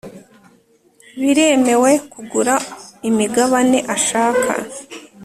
biremewe kugura imigabane ashaka